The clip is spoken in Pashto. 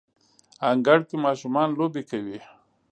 انګړ کې ماشومان لوبې کوي